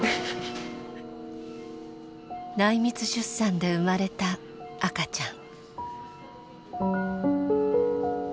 内密出産で生まれた赤ちゃん。